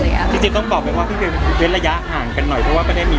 จริงต้องบอกไปว่าพี่วินเว้นระยะห่างกันหน่อยเพราะว่าไม่ได้มี